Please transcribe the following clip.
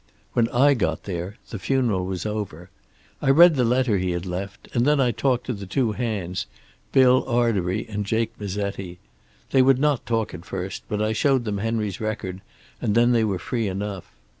"When I got there the funeral was over. I read the letter he had left, and then I talked to the two hands, Bill Ardary and Jake Mazetti. They would not talk at first, but I showed them Henry's record and then they were free enough.